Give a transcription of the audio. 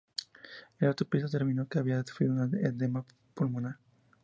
La autopsia determinó que había sufrido un edema pulmonar.